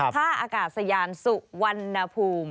ท่าอากาศยานสุวรรณภูมิ